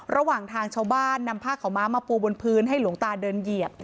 ระหว่างทางชาวบ้านนำผ้าขาวม้ามาปูบนพื้นให้หลวงตาเดินเหยียบ